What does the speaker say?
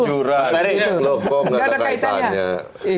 enggak ada kaitannya